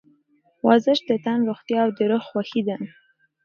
ورزش د تن روغتیا او د روح خوښي ده.